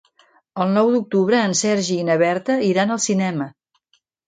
El nou d'octubre en Sergi i na Berta iran al cinema.